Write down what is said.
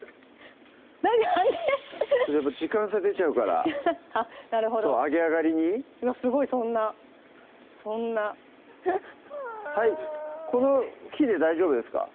なんでやっぱ時間差出ちゃうからなるほどそう揚げ上がりにうわっすごいそんなそんなはいこの火で大丈夫ですか？